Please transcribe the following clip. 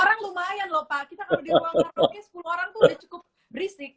sepuluh orang tuh udah cukup berisik